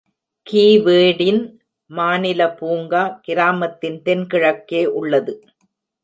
கீவேடின் மாநில பூங்கா கிராமத்தின் தென்கிழக்கே உள்ளது.